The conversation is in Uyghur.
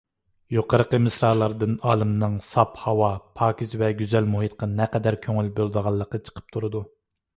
يۇقىرىقى مىسرالاردىن ئالىمنىڭ ساپ ھاۋا، پاكىز ۋە گۈزەل مۇھىتقا نەقەدەر كۆڭۈل بۆلىدىغانلىقى چىقىپ تۇرىدۇ.